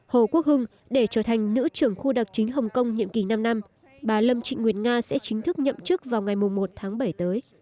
hồ quốc hưng để trở thành nữ trưởng khu đặc chính hồng kông nhiệm kỳ năm năm bà lâm trịnh nguyệt nga sẽ chính thức nhậm chức vào ngày một tháng bảy tới